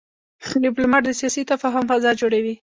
ډيپلومات د سیاسي تفاهم فضا جوړوي.